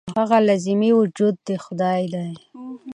او هغه لازمي وجود خدائے دے -